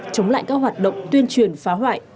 chống lại các hoạt động tuyên truyền phá hoại